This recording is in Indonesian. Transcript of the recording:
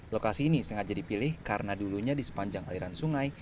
lokasi ini sengaja dipilih karena dulunya di sepanjang aliran sungai